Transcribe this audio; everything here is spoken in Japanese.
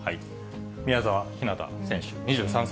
宮澤ひなた選手２３歳。